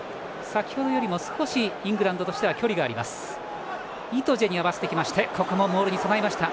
先程よりも少しイングランドとしては距離がありました。